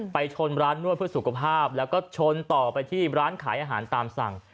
ชนร้านนวดเพื่อสุขภาพแล้วก็ชนต่อไปที่ร้านขายอาหารตามสั่ง